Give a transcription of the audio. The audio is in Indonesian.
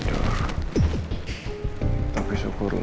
nanti baik baik lol